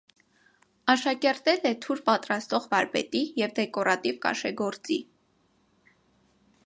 Աշակերտել է թուր պատրաստող վարպետի և դեկորատիվ կաշեգործի։